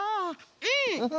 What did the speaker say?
うん！